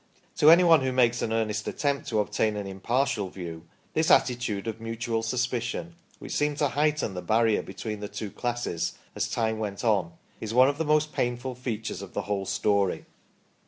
To anyone who makes an earnest attempt to obtain an impartial view, this attitude of mutual suspicion, which seemed to heighten the barrier between the two classes as time went on, is one ot the most painful features of theTwhole stoFy.